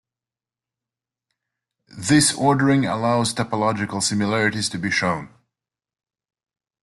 This ordering allows topological similarities to be shown.